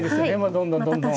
どんどんどんどん。